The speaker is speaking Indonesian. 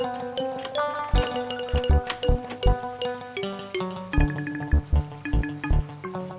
apakah si segiri